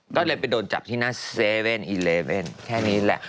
ก็เลยไปโดนจับที่หน้า๗๑๑แค่นี้แหละ